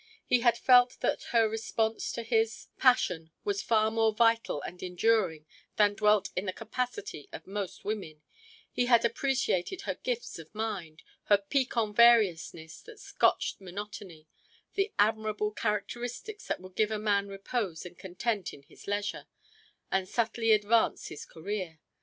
He had felt that her response to his passion was far more vital and enduring than dwelt in the capacity of most women; he had appreciated her gifts of mind, her piquant variousness that scotched monotony, the admirable characteristics that would give a man repose and content in his leisure, and subtly advance his career.